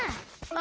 あ。